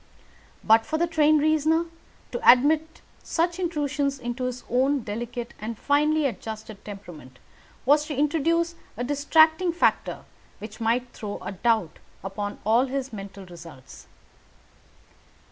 But for the trained reasoner to admit such intrusions into his own delicate and finely adjusted temperament was to introduce a distracting factor which might throw a doubt upon all his mental results.